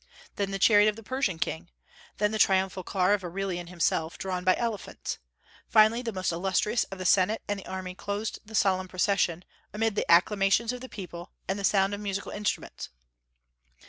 Then the chariot of the Persian king. Then the triumphal car of Aurelian himself, drawn by elephants. Finally the most illustrious of the Senate and the army closed the solemn procession, amid the acclamations of the people, and the sound of musical instruments.